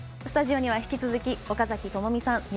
スタジオには引き続き岡崎朋美さん